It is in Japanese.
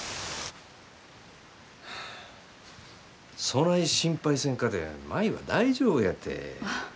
そない心配せんかて舞は大丈夫やて。